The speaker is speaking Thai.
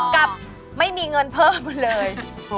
กับไม่มีเงินเพิ่มเลย